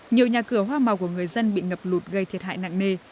nhiều nhà cửa hoa màu của người dân bị ngập lụt gây thiệt hại nặng nề